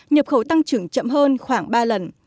nhập khẩu tăng trưởng chậm hơn khoảng ba lần